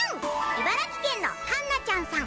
茨城県のかんなちゃんさん